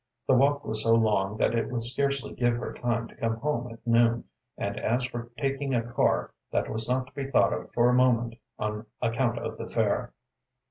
The walk was so long that it would scarcely give her time to come home at noon, and as for taking a car, that was not to be thought of for a moment on account of the fare.